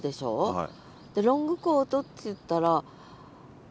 はい。